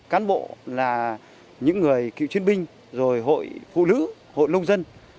cán bộ là những người cựu chiến binh rồi hội phụ nữ hội nông dân